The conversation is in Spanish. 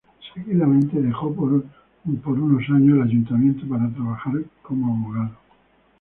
Seguidamente dejó por unos años el ayuntamiento para trabajar como abogado.